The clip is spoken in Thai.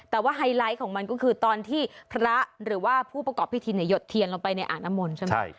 แต่ว่าไฮไลท์ของมันก็คือตอนที่พระหรือว่าผู้ประกอบพิธีหยดเทียนลงไปในอ่างน้ำมนต์ใช่ไหม